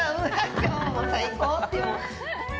今日も最高って。